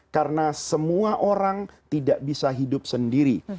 karena semua orang tidak bisa hidup sendiri